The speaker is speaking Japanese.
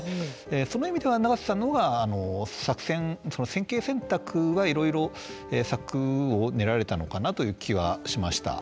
その意味では、永瀬さんのほうが作戦、戦型選択はいろいろ策を練られたのかなという気はしました。